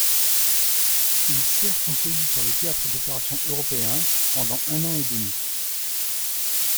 Il sert son pays sur le théâtre d'opérations européens pendant un an et demi.